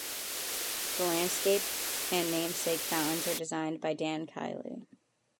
The landscape and namesake fountains were designed by Dan Kiley.